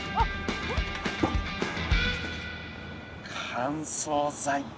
乾燥剤か。